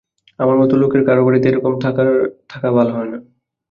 আমার মতো লোকের কারো বাড়িতে এরকম করে থাকা ভালো হয় না।